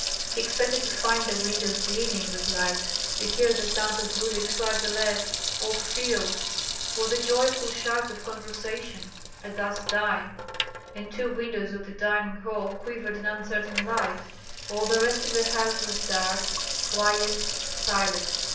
He expected to find the windows gleaming with lights, to hear the sound of Uhlik's flageolet, of fiddles, or the joyful shouts of conversation. At that time in two windows of the dining hall quivered an uncertain light; all the rest of the house was dark, quiet, silent.